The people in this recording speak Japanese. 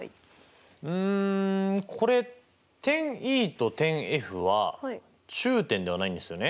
うんこれ点Ｅと点Ｆは中点ではないんですよね。